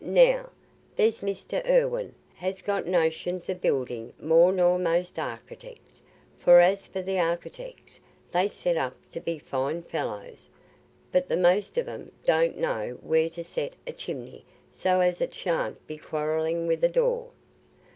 Now, there's Mr. Irwine has got notions o' building more nor most architects; for as for th' architects, they set up to be fine fellows, but the most of 'em don't know where to set a chimney so as it shan't be quarrelling with a door.